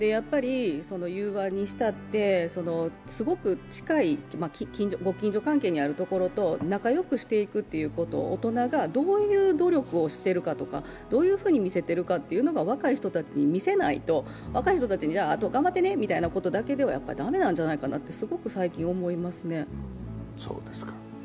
融和にしたってすごく近い、ご近所関係にあるところと仲良くしていくということを大人がどういう努力をしているかとか、どういうふうに見せているかというのが若い人たちに見せないと若い人たちに、あと頑張ってねということだけでは駄目なんじゃないかなとすごく最近思いますね。